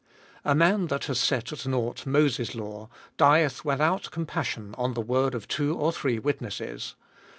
A man that hath set at nought Moses' law dieth without compas sion on the word of two or three witnesses : 29.